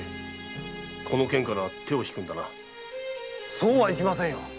そうはいきませんよ！